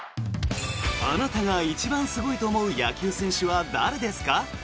あなたが一番すごいと思う野球選手は誰ですか？